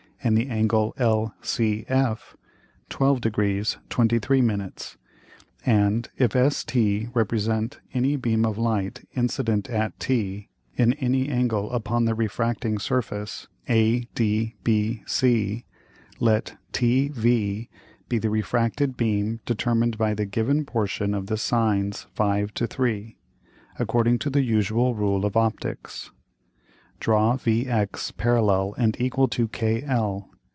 and the Angle LCF 12 Degr. 23'. And if ST represent any beam of Light incident at T in any Angle upon the refracting Surface ADBC, let TV be the refracted beam determin'd by the given Portion of the Sines 5 to 3, according to the usual Rule of Opticks. Draw VX parallel and equal to KL.